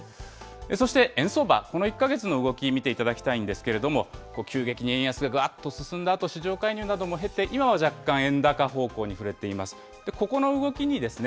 そして円相場、この１か月の動き、見ていただきたいんですけれども、急激に円安、ぐわっと進んだあと、市場介入なども経て、今は若干円高方向に振れています。